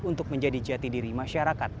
untuk menjadi jati diri masyarakat